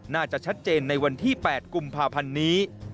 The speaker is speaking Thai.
น่าจะชัดเจนในวันที่๘กุมภาพันธ์นี้